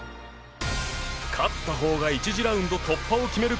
勝ったほうが１次ラウンド突破を決める